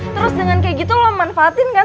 terus dengan kayak gitu lo manfaatin kan